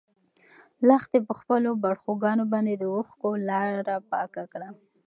لښتې په خپلو باړخوګانو باندې د اوښکو لاره پاکه کړه.